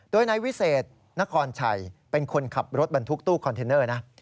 โดยนายวิเศษนครชัยเป็นคนขับรถบรรทุกตู้คอนเทนเนอร์นะ